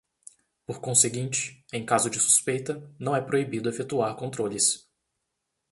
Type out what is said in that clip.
Por conseguinte, em caso de suspeita, não é proibido efetuar controles.